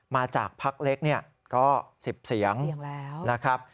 มาจากพักเล็กก็๑๐เสียงนะครับ